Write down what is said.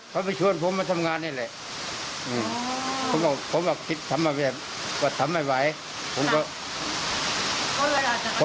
เขาไปชวนผมมาทำงานนี่แหละผมก็คิดทำไม่ไหวผมก็เลยบอกเขาว่าผมไม่ได้ไปหรอก